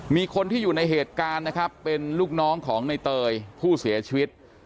มีคนที่อยู่ในเหตุการณ์นะครับเป็นลูกน้องของในเตยผู้เสียชีวิต